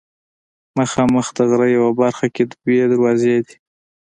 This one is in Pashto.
مخامخ د غره یوه برخه کې دوه دروازې دي.